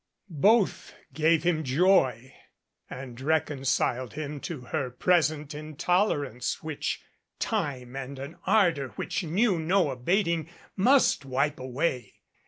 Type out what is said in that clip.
Both gave him joy and reconciled him to her present intolerance which time and an ardor which knew no abating must wipe away.